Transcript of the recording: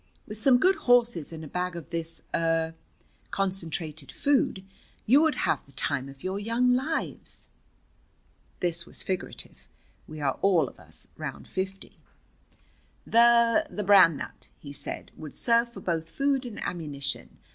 "With some good horses and a bag of this er concentrated food, you would have the time of your young lives." This was figurative. We are all of us round fifty. "The the Bran Nut," he said, "would serve for both food and ammunition.